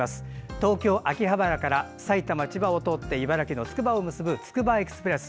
東京・秋葉原から埼玉、千葉を通って茨城のつくばを結ぶつくばエクスプレス。